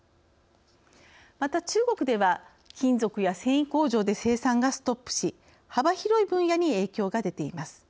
また中国では金属や繊維工場で生産がストップし幅広い分野に影響が出ています。